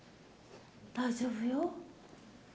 大丈夫よ。